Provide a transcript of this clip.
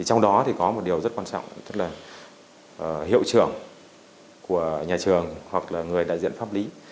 trong đó thì có một điều rất quan trọng tức là hiệu trưởng của nhà trường hoặc là người đại diện pháp lý